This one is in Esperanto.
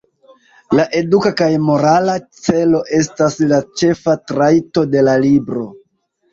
La eduka kaj morala celo estas la ĉefa trajto de la libro.